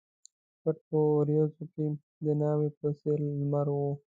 پټ په وریځو کښي د ناوي په څېر لمر و